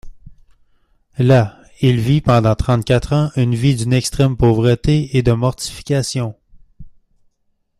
Là, il vit pendant trente-quatre ans une vie d'une extrême pauvreté et de mortification.